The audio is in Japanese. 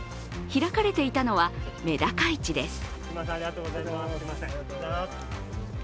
開かれていたのは、メダカ市です。